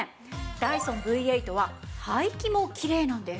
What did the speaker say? ダイソンＶ８は排気もきれいなんです。